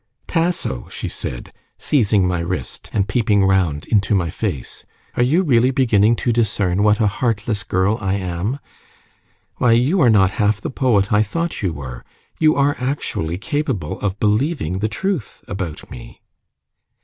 "Tasso!" she said, seizing my wrist, and peeping round into my face, "are you really beginning to discern what a heartless girl I am? Why, you are not half the poet I thought you were; you are actually capable of believing the truth about me."